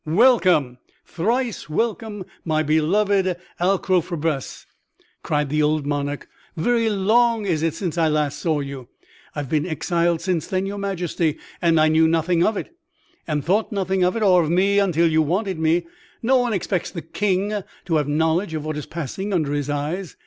"Welcome, thrice welcome, my beloved Alcofribas!" cried the old monarch; "very long is it since last I saw you." "I have been exiled since then, your Majesty." "And I knew nothing of it!" "And thought nothing of it or of me until you wanted me. No one expects the King to have knowledge of what is passing under his eyes."